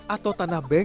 atau tanah kas gampong